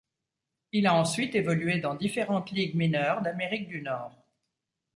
Il a ensuite évolué dans différentes ligues mineures d'Amérique du Nord.